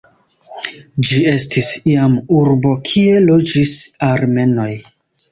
Ĝi estis iam urbo kie loĝis armenoj.